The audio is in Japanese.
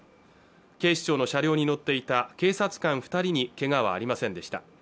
警視庁の車両に乗っていた警察官二人にけがはありませんでした